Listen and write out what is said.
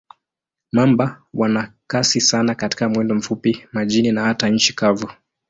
Mamba wana kasi sana katika mwendo mfupi, majini na hata nchi kavu.